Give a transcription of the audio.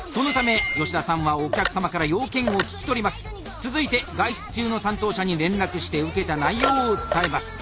続いて外出中の担当者に連絡して受けた内容を伝えます。